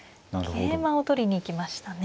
桂馬を取りに行きましたね。